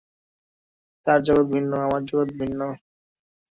তাঁর জগৎ ভিন্ন, আমার জগৎ ভিন্ন।